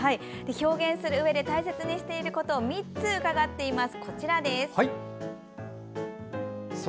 表現するうえで大切にしていることを３つ伺っています。